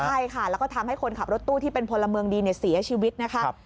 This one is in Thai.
ใช่ค่ะแล้วก็ทำให้คนขับรถตู้ที่เป็นพลเมืองดีเสียชีวิตนะคะ